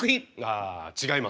あ違います。